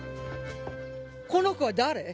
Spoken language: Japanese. この子は誰？